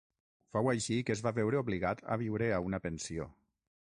Fou així que es va veure obligat a viure a una pensió.